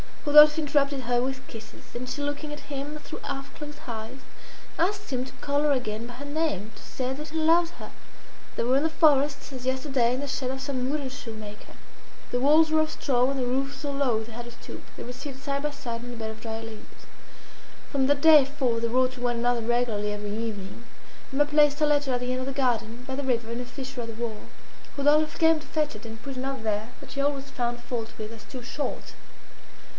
Rodolphe interrupted her with kisses; and she looking at him through half closed eyes, asked him to call her again by her name to say that he loved her They were in the forest, as yesterday, in the shed of some woodenshoe maker. The walls were of straw, and the roof so low they had to stoop. They were seated side by side on a bed of dry leaves. From that day forth they wrote to one another regularly every evening. Emma placed her letter at the end of the garden, by the river, in a fissure of the wall. Rodolphe came to fetch it, and put another there, that she always found fault with as too short.